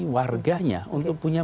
warganya untuk punya